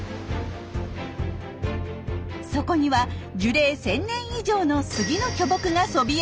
そこには樹齢１，０００年以上の杉の巨木がそびえ立ちます。